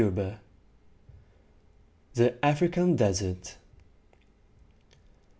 XCIX. THE AFRICAN DESERT.